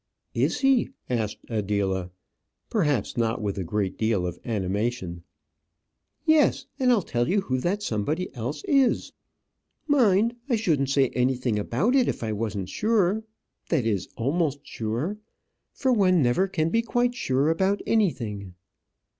"Is he?" asked Adela, perhaps not with a great deal of animation. "Yes; and I'll tell you who that somebody else is. Mind, I shouldn't say anything about it if I wasn't sure; that is almost sure; for one never can be quite sure about anything."